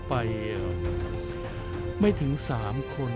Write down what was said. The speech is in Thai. กูใช้ซอสเหรอแต่เมื่อกี้ผมได้ยินบอกว่า